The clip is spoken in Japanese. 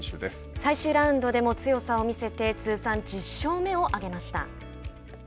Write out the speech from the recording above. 最終ラウンドでも強さを見せて通算１０勝目を上げました。